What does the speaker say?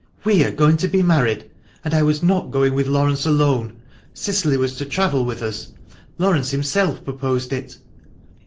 "We are going to be married. And I was not going with Laurence alone. Cicily was to travel with us. Laurence himself proposed it."